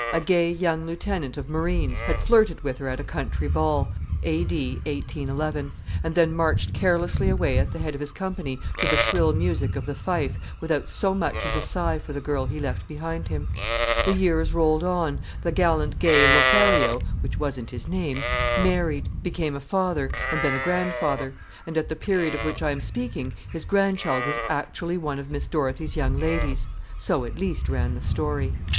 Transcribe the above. A gay young lieutenant of marines had flirted with her at a country ball (A.D. 1811), and then marched carelessly away at the head of his company to the shrill music of the fife, without so much as a sigh for the girl he left behind him. The years rolled on, the gallant gay Lothario which wasn't his name married, became a father, and then a grandfather; and at the period of which I am speaking his grandchild was actually one of Miss Dorothy's young ladies. So, at least, ran the story.